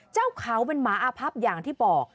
เจ้าเขาเป็นหมาอาพับอย่างที่บอก